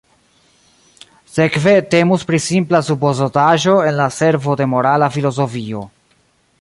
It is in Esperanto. Sekve temus pri simpla supozotaĵo en la servo de morala filozofio.